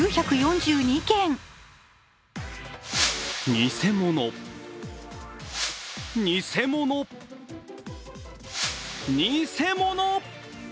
偽物、偽物、偽物！